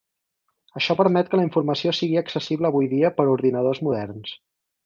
Això permet que la informació sigui accessible avui dia per ordinadors moderns.